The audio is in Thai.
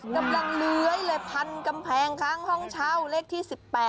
กำลังเลื๊อยเลยพันกำแพงข้างห้องเช้าเลขที่๑๘๒๘